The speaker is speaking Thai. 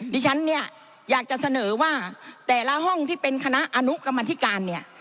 ดิฉันเนี่ยอยากจะเสนอว่าแต่ละห้องที่เป็นคณะอนุกรรมธิการเนี่ย